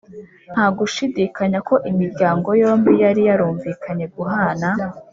ntagushidikanya ko imiryango yombi yari yarumvikanye guhana